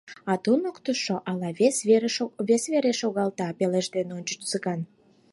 — А туныктышо ала вес вере шогалта? — пелештен ончыш Цыган.